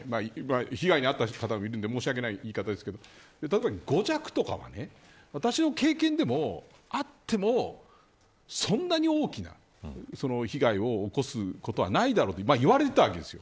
被害に遭った方もいるんで申し訳ない言い方ですけど例えば５弱とかは私の経験でも、あってもそんなに大きな被害を起こすことはないだろうと言われていたわけです。